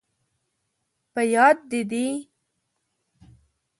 په یاد، دې دي؟